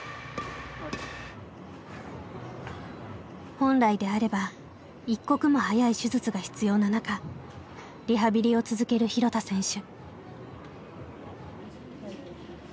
本来であれば一刻も早い手術が必要な中リハビリを続ける廣田選手。